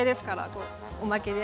こうおまけで。